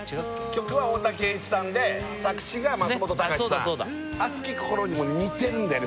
曲は大瀧詠一さんで作詞が松本隆さん「熱き心に」も似てるんだよね